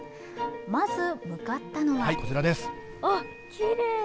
まず向かったのは。